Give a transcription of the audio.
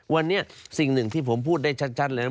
วันนี้สิ่งหนึ่งที่ผมพูดได้ชัดเลย